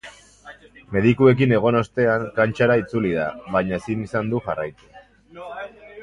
Medikuekin egon ostean kantxara itzuli da, baina ezin izan du jarraitu.